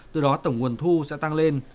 từ đó tổng nguồn thu sẽ tăng lên